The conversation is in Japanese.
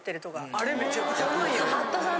あれめちゃくちゃうまいやん。